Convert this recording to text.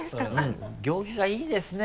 行儀がいいですね